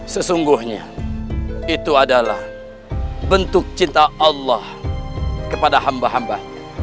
sesungguhnya itu adalah bentuk cinta allah kepada hamba hambanya